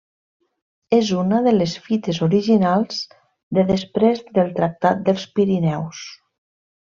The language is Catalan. És una de les fites originals de després del Tractat dels Pirineus.